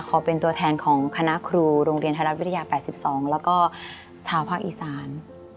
เป็นตัวแทนของคณะครูโรงเรียนไทยรัฐวิทยา๘๒แล้วก็ชาวภาคอีสาน